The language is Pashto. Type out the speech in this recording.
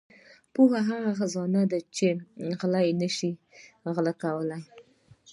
• پوهه هغه خزانه ده چې غله یې نشي غلا کولای.